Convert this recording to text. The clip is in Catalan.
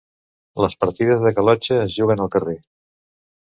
Les partides de galotxa es juguen al carrer.